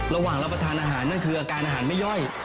ระหว่างรับประทานอาหารนั่นคืออาการอาหารไม่ย่อย